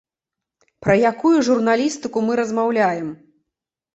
Пра якую журналістыку мы размаўляем?